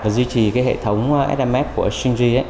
và duy trì cái hệ thống sms của stringy